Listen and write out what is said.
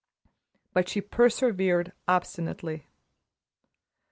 But she persevered obstinately.